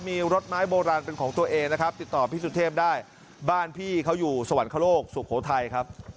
มีรถไม้โบราณเป็นของตัวเองนะครับติดต่อพี่สุเทพได้บ้านพี่เขาอยู่สวรรคโลกสุโขทัยครับ